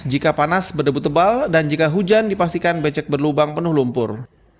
jika panas berdebut tebal dan jika hujan dipastikan becek berlubang penuh lumpur